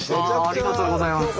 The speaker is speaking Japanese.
ありがとうございます。